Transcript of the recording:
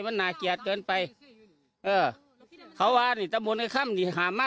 มันน่าเกลียดเกินไปเออเขาว่านี่ตะบนไอ้ค่ำนี่หามาก